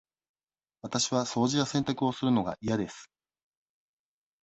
わたしは掃除や洗濯をするのが嫌です。